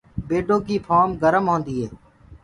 بيڊو ڪيٚ ڦهوم گرم هوندي هي۔